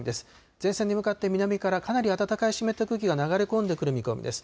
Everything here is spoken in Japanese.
前線に向かって南からかなり暖かい湿った空気が流れ込んでくる見込みです。